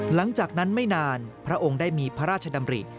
หลังจากนั้นไม่นานพระองค์ได้มีพระราชดำริ